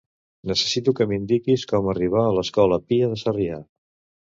Necessito que m'indiquis com arribar a l'escola Pia de Sarrià.